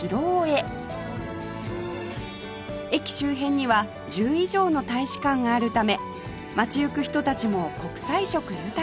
駅周辺には１０以上の大使館があるため街行く人たちも国際色豊か